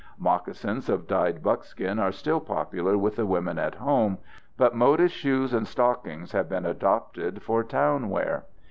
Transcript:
Moccasins of dyed buckskin are still popular with the women at home, but modish shoes and stockings have been adopted for town wear.